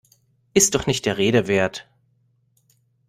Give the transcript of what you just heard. Ist doch nicht der Rede wert!